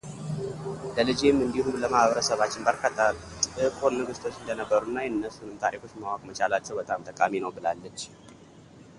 ለልጄም እንዲሁም ለማህበረሰባችን በርካታ ጥቁር ንግሥቶች እንደነበሩና የነሱን ታሪኮች ማወቅ መቻላቸው በጣም ጠቃሚ ነው ብላለች።